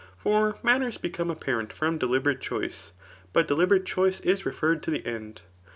For manners become appsirent from deliberate choice ; but deliberate choice is referred to the end.